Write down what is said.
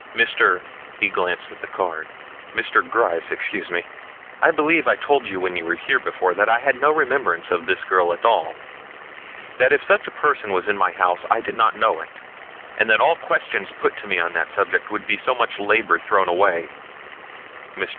"Mr. " he again glanced at the card, "Mr. Gryce, excuse me I believe I told you when you were here before that I had no remembrance of this girl at all. That if such a person was in my house I did not know it, and that all questions put to me on that subject would be so much labor thrown away." Mr.